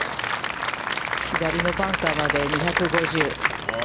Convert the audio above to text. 左のバンカーまで、２５０。